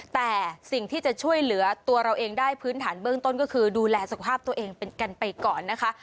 แต่สิ่งที่จะช่วยเหลือตัวเราเองได้พื้นฐานเบื้องต้นก็คือดูแลสุขภาพตัวเองกันไปก่อนนะคะ